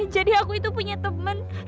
jadi aku punya teman